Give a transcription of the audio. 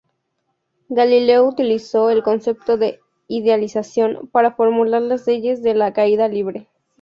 Galileo utilizó el concepto de idealización para formular las leyes de la caída libre.